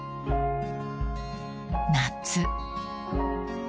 ［夏］